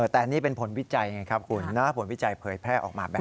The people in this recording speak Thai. แต่นี่เป็นผลวิจัยไงครับคุณนะผลวิจัยเผยแพร่ออกมาแบบนี้